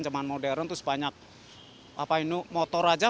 zaman modern terus banyak motor aja